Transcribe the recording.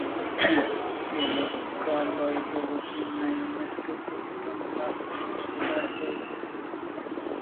এই লোকালয় বহু চেন্নাই মেট্রোপলিটন বাস পরিষেবার রয়েছে।